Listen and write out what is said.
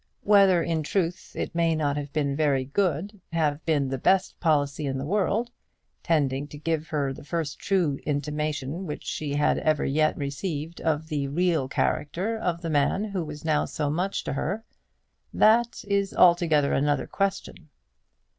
Whether in truth it may not have been very good, have been the best policy in the world, tending to give her the first true intimation which she had ever yet received of the real character of the man who was now so much to her, that is altogether another question.